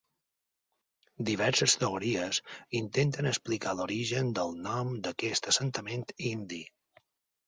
Diverses teories intenten explicar l'origen del nom d'aquest assentament indi.